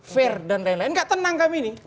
fair dan lain lain gak tenang kami ini